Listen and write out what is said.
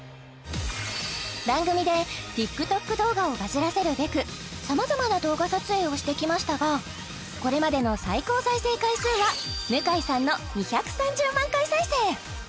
番組でＴｉｋＴｏｋ動画をバズらせるべくさまざまな動画撮影をしてきましたがこれまでの最高再生回数は向井さんの２３０万回再生